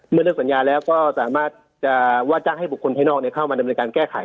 เมื่อเลิกสัญญาแล้วก็สามารถจะว่าจ้างให้บุคคลภายนอกเข้ามาดำเนินการแก้ไข